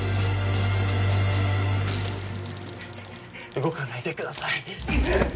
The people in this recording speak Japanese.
動かないでください